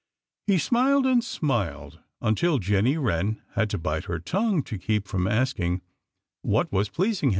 He smiled and smiled until Jenny Wren had to bite her tongue to keep from asking what was pleasing him so.